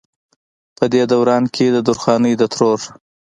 پۀ دې دوران کښې د درخانۍ د ترور